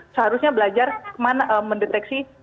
seharusnya belajar mendeteksi